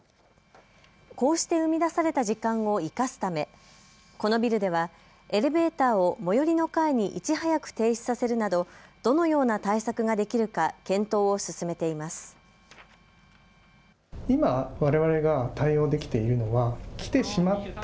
こうして生み出された時間を生かすため、このビルではエレベーターを最寄りの階にいち早く停止させるなどどのような対策ができるか検討を進めています。